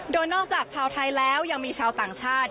โดยนอกจากชาวไทยแล้วยังมีชาวต่างชาติ